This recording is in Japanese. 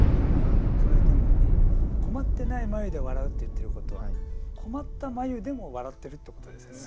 これでも「困ってない眉で笑う」って言ってることは困った眉でも笑ってるってことですよね。